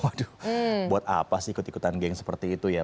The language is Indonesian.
waduh buat apa sih ikut ikutan geng seperti itu ya